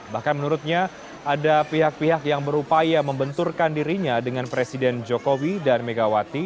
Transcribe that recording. bahkan menurutnya ada pihak pihak yang berupaya membenturkan dirinya dengan presiden jokowi dan megawati